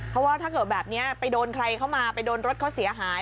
เพราะว่าถ้าเกิดแบบนี้ไปโดนใครเข้ามาไปโดนรถเขาเสียหาย